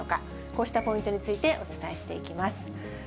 こうしたポイントについてお伝えしていきます。